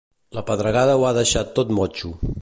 La pedregada ho ha deixat tot motxo.